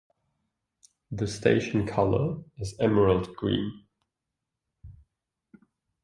The station colour is emerald green.